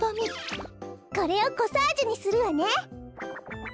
これをコサージュにするわね。